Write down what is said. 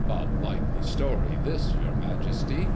"A likely story this, your Majesty!"